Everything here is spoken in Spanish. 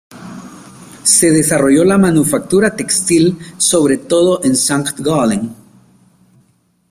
Se desarrolló la manufactura textil, sobre todo en Sankt Gallen.